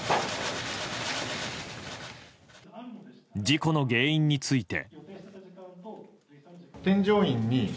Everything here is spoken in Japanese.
事故の原因について。